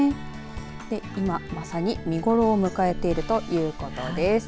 今まさに見頃を迎えているということです。